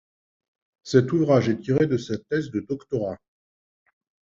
Cet ouvrage est tiré de sa thèse de doctorat.